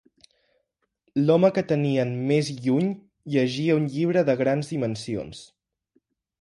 L'home que tenien més lluny llegia un llibre de grans dimensions.